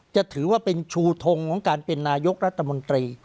จะถือว่าเป็นชูทงของการเป็นนายกรัฐมนตรี